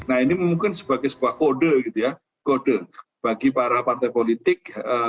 nah ini mungkin sebagai sebuah kode gitu ya kode bagi para partai politik